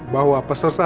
bahwa peserta sidang